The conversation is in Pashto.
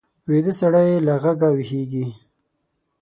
ویده سړی له غږه ویښېږي